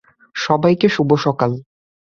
সবাইকেই শুভ সকাল।